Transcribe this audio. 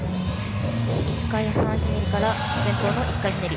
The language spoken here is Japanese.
１回半ひねりから前方の１回ひねり。